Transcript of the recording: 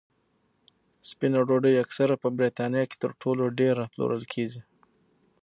سپینه ډوډۍ اکثره په بریتانیا کې تر ټولو ډېره پلورل کېږي.